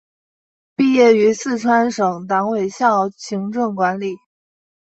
毕业于四川省委党校行政管理。